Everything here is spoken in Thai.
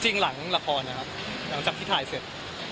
หลังละครนะครับหลังจากที่ถ่ายเสร็จ